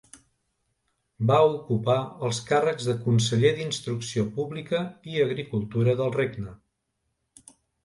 Va ocupar els càrrecs de Conseller d'Instrucció Pública i Agricultura del Regne.